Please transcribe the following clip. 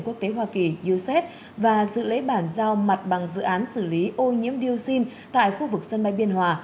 quốc tế hoa kỳ uced và dự lễ bản giao mặt bằng dự án xử lý ô nhiễm dioxin tại khu vực sân bay biên hòa